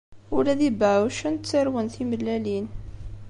Ula d ibeɛɛucen ttarwen timellalin.